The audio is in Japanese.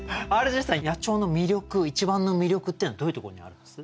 ＲＧさん野鳥の一番の魅力っていうのはどういうところにあるんです？